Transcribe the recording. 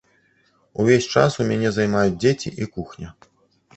Увесь час у мяне займаюць дзеці і кухня.